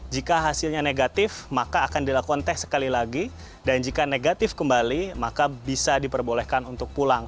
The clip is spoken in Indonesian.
jika hasilnya negatif maka akan dilakukan tes sekali lagi dan jika negatif kembali maka bisa diperbolehkan untuk pulang